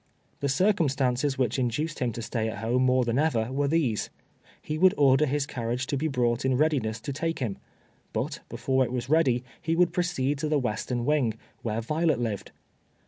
The circumstances which induced him to stay at home more than ever were these: He would order his carriage to be brought in readiness to take him; but, before it was ready, he would proceed to the western wing, where Violet lived.